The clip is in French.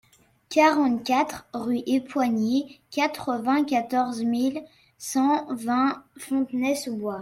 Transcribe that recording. quarante-quatre rue Epoigny, quatre-vingt-quatorze mille cent vingt Fontenay-sous-Bois